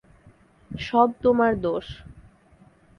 সব তোমার দোষ!